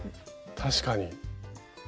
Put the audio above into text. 確かに。